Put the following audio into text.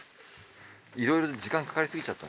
いろいろ時間かかり過ぎちゃった。